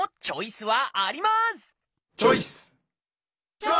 チョイス！